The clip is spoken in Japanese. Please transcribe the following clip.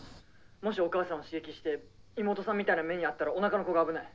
もしお母さんを刺激して妹さんみたいな目に遭ったらおなかの子が危ない。